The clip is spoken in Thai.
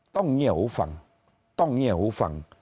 ต้องเงียบหูฟังต้องเงียบหูฟัง